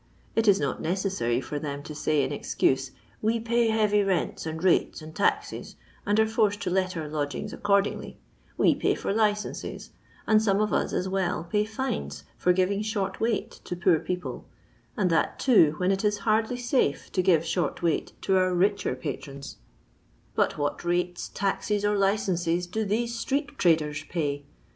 It is not necessary for them to say in excuse, " We pay heavy rents, and rates, and taxes, and are forced to let our lodgings accordingly ; we pay for licences, and some of us as well pay fines forgiving short weight to poor people, and that, too, when it is hardly safe to give short weight to our richer patrons ; but what rates, taxes, or licences do these street traders pay